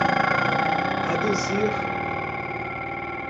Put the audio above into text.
aduzir